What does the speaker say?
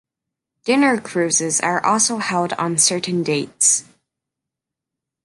Dinner cruises are also held on certain dates.